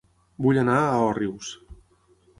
Vull anar a Òrrius